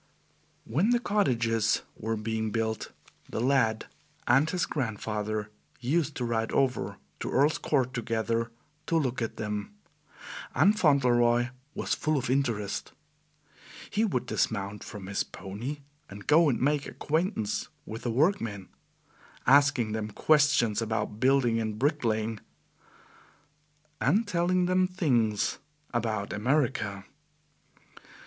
When the cottages were being built, the lad and his grandfather used to ride over to Earl's Court together to look at them, and Fauntleroy was full of interest. He would dismount from his pony and go and make acquaintance with the workmen, asking them questions about building and bricklaying, and telling them things about America.